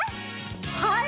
はい！